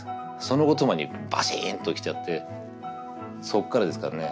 その言葉にバシーンときちゃってそっからですかね